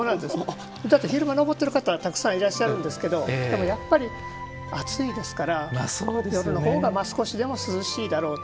だって、昼間に登ってる方たくさんいらっしゃるんですけどやっぱり暑いですから夜のほうが少しでも涼しいだろうと。